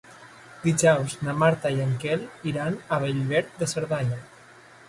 Dijous na Marta i en Quel iran a Bellver de Cerdanya.